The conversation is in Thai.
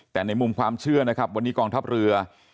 แต่ในมุมความเชื่อนะครับวันนี้กองทัพเรือ